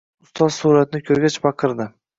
Ustozi suratni ko’rgach baqirdi